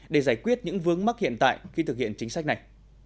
để giải quyết những vướng mắc hiện tại khi thực hiện chính sách này